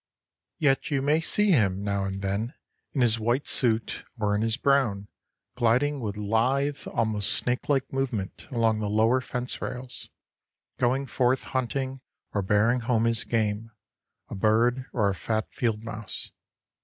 Yet you may see him, now and then, in his white suit or in his brown, gliding with lithe, almost snake like movement along the lower fence rails, going forth hunting or bearing home his game, a bird or a fat field mouse.